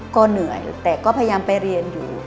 ก็เหนื่อยแต่ก็พยายามไปเรียนอยู่